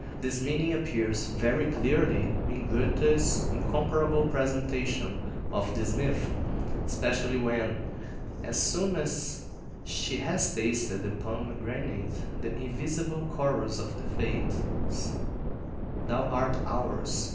This meaning appears very clearly in Goethe's incomparable presentation of this myth, especially when, as soon as she has tasted the pomegranate, the invisible chorus of the Fates— "Thou art ours!